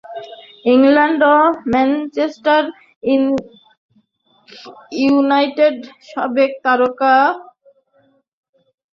England ও Manchester ইউনাইটেডের সাবেক তারকা স্ট্রাইকার টেডি শেরিংহামের ছেলে চার্লি।